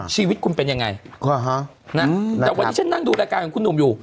ชีวิตคุณเป็นยังไงแต่วันนี้ฉันนั่งดูรายการของคุณหนุ่มอยู่